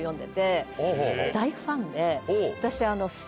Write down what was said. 大ファンで私。